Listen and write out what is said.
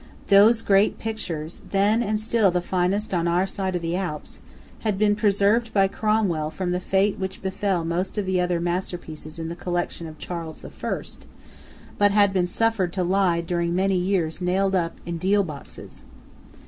Those great pictures, then and still the finest on our side of the Alps, had been preserved by Cromwell from the fate which befell most of the other masterpieces in the collection of Charles the First, but had been suffered to lie during many years nailed up in deal boxes.